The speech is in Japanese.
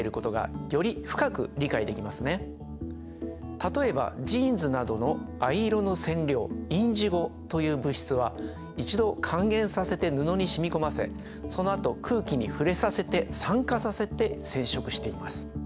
例えばジーンズなどの藍色の染料インジゴという物質は一度還元させて布に染み込ませそのあと空気に触れさせて酸化させて染色しています。